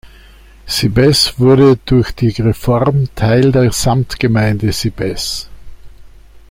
Sibbesse wurde durch die Reform Teil der Samtgemeinde Sibbesse.